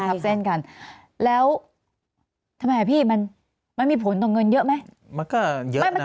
ทับเส้นกันแล้วทำไมพี่มันมันมีผลต่อเงินเยอะไหมมันก็เยอะนะ